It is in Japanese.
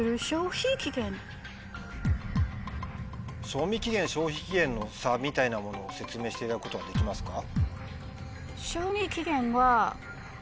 賞味期限消費期限の差みたいなものを説明していただくことはできますか？